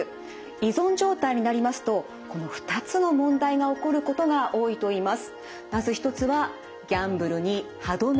依存状態になりますとこの２つの問題が起こることが多いといいます。